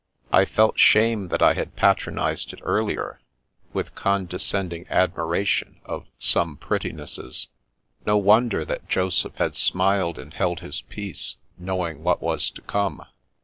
I felt shame that I had patronised it earlier, with con descending admiration of some prettinesses. No wonder that Joseph had smiled and held his peace, knowing what was to come.